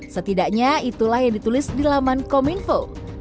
setidaknya itulah yang ditulis di laman kominfo